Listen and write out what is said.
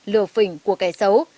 lừa phỉnh của kẻ xấu